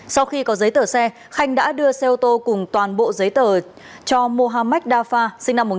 sau khi có giấy tờ xe khanh đã đưa xe ô tô cùng toàn bộ giấy tờ cho mohamed darfa sinh năm một nghìn chín trăm chín mươi